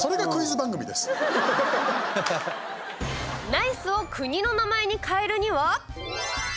ナイスを国の名前に変えるには？